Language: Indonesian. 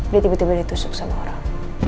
dia tiba tiba ditusuk sama orang